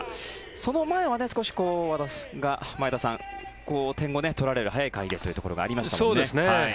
その前は少し和田が点を取られる早い回でというところがありましたよね。